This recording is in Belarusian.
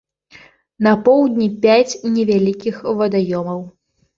На поўдні пяць невялікіх вадаёмаў.